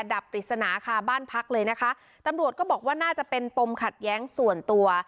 ับปริศนาคาบ้านพักเลยนะคะตำรวจก็บอกว่าน่าจะเป็นปมขัดแย้งส่วนตัว